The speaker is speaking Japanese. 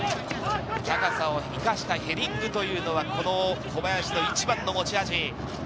高さを生かしたヘディングというのは、小林の一番の持ち味。